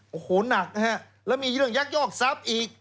โอ้โหหนักนะฮะแล้วมีเรื่องยักยอกทรัพย์อีก